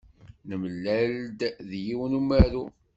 Nemlal-d yiwen umaru.